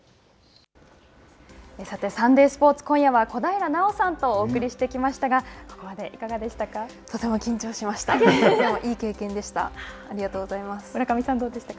さてサンデースポーツ今夜は小平奈緒さんとお伝えしてきましたがここまでいかがでしたか。